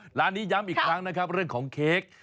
ร้านนี้ย้ำอีกครั้งนะครับเรื่องของเค้ก